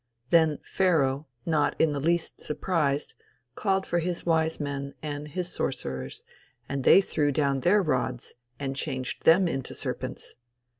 Then Pharaoh not in the least surprised, called for his wise men and his sorcerers, and they threw down their rods and changed them into serpents.